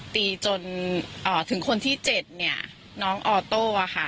ตีจนถึงคนที่๗น้องออโต้